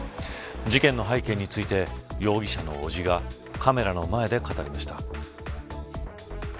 事件の背景について容疑者の伯父がカメラの前で語りました。